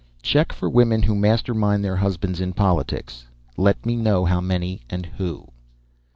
"_ _"Check for women who mastermind their husbands in politics. Let me know how many and who."